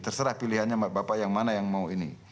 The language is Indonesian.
terserah pilihannya bapak yang mana yang mau ini